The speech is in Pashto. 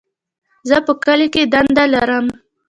زه په کلي کي دنده لرم.